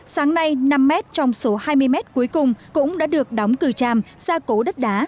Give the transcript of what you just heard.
sáng nay năm mét trong số hai mươi mét cuối cùng cũng đã được đóng cửa tràm ra cố đất đá